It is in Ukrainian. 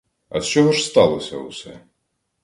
Аз чого ж сталося усе?